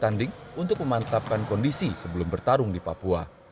dan berapa kali lagi uji tanding untuk memantapkan kondisi sebelum bertarung di papua